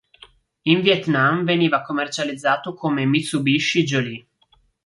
In Vietnam veniva commercializzato come Mitsubishi Jolie.